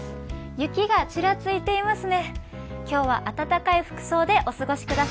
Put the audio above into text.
雪がちらついていますね。